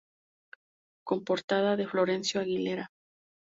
Con portada de Florencio Aguilera.